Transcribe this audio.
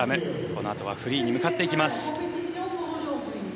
このあとはフリーに向かっていきます。